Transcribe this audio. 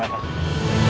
engga jangan jangan